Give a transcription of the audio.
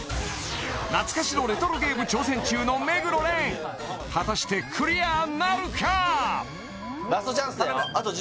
懐かしのレトロゲーム挑戦中の目黒蓮果たしてクリアなるか